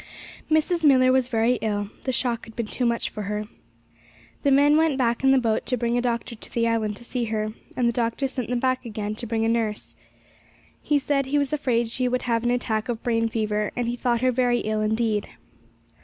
Mrs. Millar was very ill; the shock had been too much for her. The men went back in the boat to bring a doctor to the island to see her, and the doctor sent them back again to bring a nurse. He said he was afraid she would have an attack of brain fever, and he thought her very ill indeed.